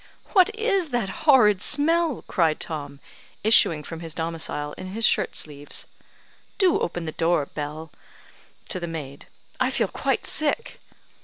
"What is this horrid smell?" cried Tom, issuing from his domicile, in his shirt sleeves. "Do open the door, Bell (to the maid); I feel quite sick."